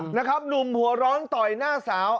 หนุ่มหัวร้อนต่อยหน้าสาว